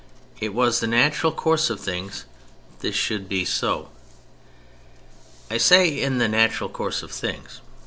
It was in the natural course of things this should be so. I say "in the natural course of things."